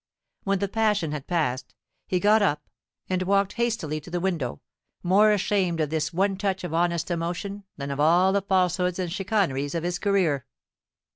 When the passion had passed, he got up and walked hastily to the window, more ashamed of this one touch of honest emotion than of all the falsehoods and chicaneries of his career.